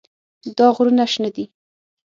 دا غرونه شنه دي.